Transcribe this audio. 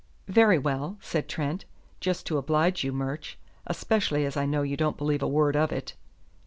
"Very well," said Trent. "Just to oblige you, Murch especially as I know you don't believe a word of it.